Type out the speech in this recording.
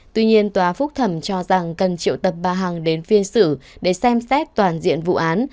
tuy nhiên tòa phúc thẩm cho rằng cần triệu tập bà hằng đến phiên xử để xem xét toàn diện vụ án